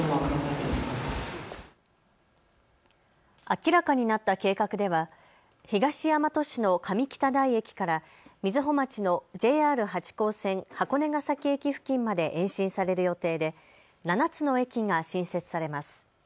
明らかになった計画では東大和市の上北台駅から瑞穂町のＪＲ八高線箱根ケ崎駅付近まで延伸される予定で７つの駅が新設されます。